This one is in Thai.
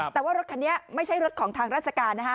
แต่ว่ารถคันนี้ไม่ใช่รถของทางราชการนะฮะ